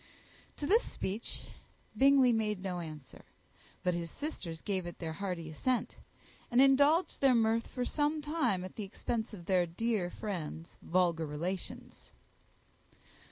To this speech Bingley made no answer; but his sisters gave it their hearty assent, and indulged their mirth for some time at the expense of their dear friend's vulgar relations.